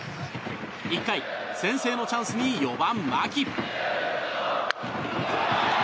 １回、先制のチャンスに４番、牧。